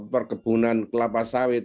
perkebunan kelapa sawit